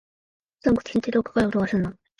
こつんこつんって、どっかから音がすんの。